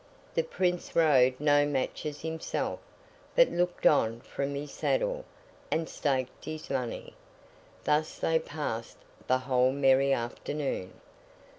The Prince rode no matches himself, but looked on from his saddle, and staked his money. Thus they passed the whole merry afternoon.